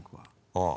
ああ。